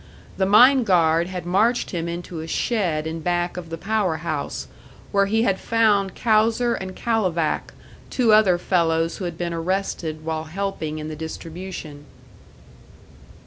The mine guard had marched him into a shed in back of the power house, where he had found Kauser and Kalovac, two other fellows who had been arrested while helping in the distribution.